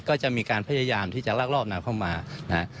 ก็จะมีการพยายามที่จะลากรอบน้ำเข้ามานะฮะ